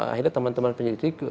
akhirnya teman teman penyelidik